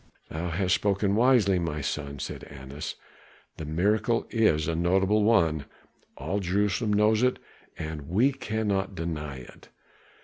"Thou hast spoken wisely, my son," said Annas. "The miracle is a notable one; all Jerusalem knows it, and we cannot deny it.